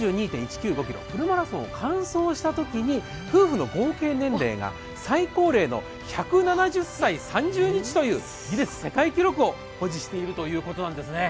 ｋｍ、フルマラソンを完走したときに、夫婦合計年齢が最高齢の１７０歳３０日というギネス世界記録を保持しているということなんですね。